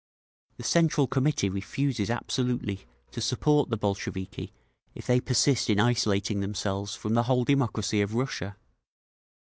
The Central Committee refuses absolutely to support the Bolsheviki if they persist in isolating themselves from the whole democracy of Russia!"